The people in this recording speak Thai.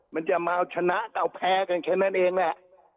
มันจะมาเอาชนะเอาแพ้กันแค่นั้นเองแหละ